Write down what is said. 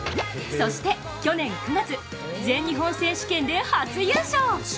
そして、去年９月全日本選手権で初優勝！